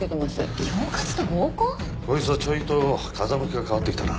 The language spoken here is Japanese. こいつはちょいと風向きが変わってきたな。